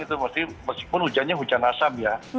itu meskipun hujannya hujan asam ya